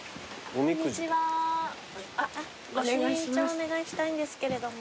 お願いしたいんですけれども。